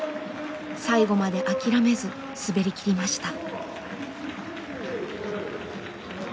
最後まで諦めず滑りきりました。